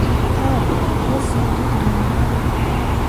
მთავარი ქალაქია სიუდად-ბოლივარი.